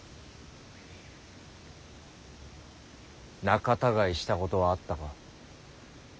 仲たがいしたことはあったか。